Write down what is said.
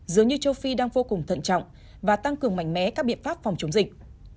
dường như châu phi đang vô cùng thận trọng và tăng cường mạnh mẽ các biện pháp phòng chống dịch